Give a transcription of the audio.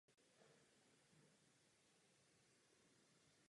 Stavební práce tehdy provedla společnost Geotehnika.